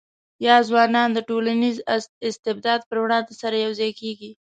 یاغي ځوانان د ټولنیز استبداد پر وړاندې سره یو ځای کېږي.